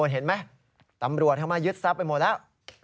เห็นไหมตำรวจเข้ามายึดทรัพย์ไปหมดแล้ว